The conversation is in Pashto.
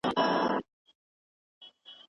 راجرګه کړه پښتانه هسکه خیبره !